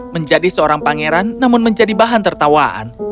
menjadi seorang pangeran namun menjadi bahan tertawaan